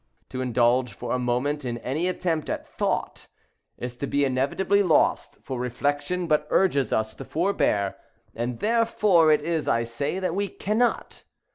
To indulge, for a moment, in any attempt at thought, is to be inevitably lost; for reflection but urges us to forbear, and therefore it is, I say, that we cannot.